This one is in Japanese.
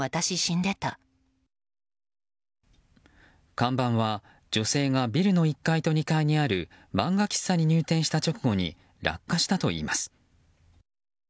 看板は女性がビルの１階と２階にある漫画喫茶に入店した直後に落下したといいます。